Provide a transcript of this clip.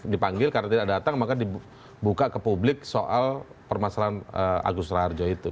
dipanggil karena tidak datang maka dibuka ke publik soal permasalahan agus raharjo itu